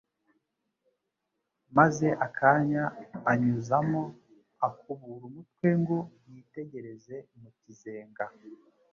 maze akajya anyuzamo akubura umutwe ngo yitegereze mu kizenga,